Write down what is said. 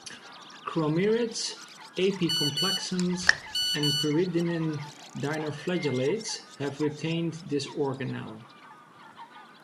Chromerids, apicomplexans, and peridinin dinoflagellates have retained this organelle.